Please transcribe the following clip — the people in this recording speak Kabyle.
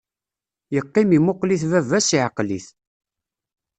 Yeqqim imuqel-it baba-s, iɛqel-it.